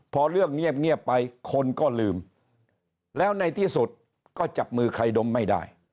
พอเรื่องเงียบไปคนก็ลืมแล้วในที่สุดก็จับมือใครดมไม่ได้